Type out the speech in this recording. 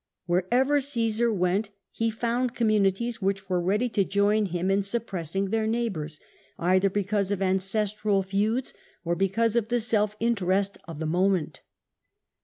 Wherever Caesar went, he found communities which were ready to join him in suppressing their neighbours, either because of ancestral feuds, or because of the self interest of the moment.